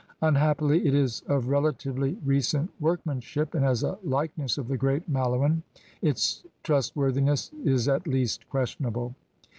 Unhappily it is of relatively recent work manship and as a likeness of the great Malouin its trustworthiness is at least questionable.